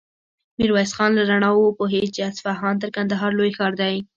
ميرويس خان له رڼاوو وپوهېد چې اصفهان تر کندهاره لوی ښار دی.